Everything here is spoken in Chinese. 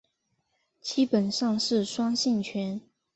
基本上是酸性泉。